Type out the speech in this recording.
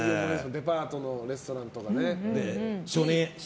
デパートのレストランとかね。